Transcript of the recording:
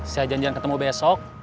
saya janjian ketemu besok